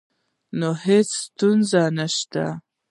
نه، هیڅ ستونزه نشته